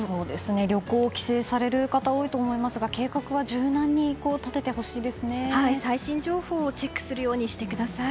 旅行・帰省される方多いと思いますが最新情報をチェックするようにしてください。